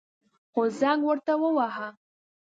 خو زنگ ورته وواهه.